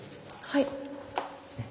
はい。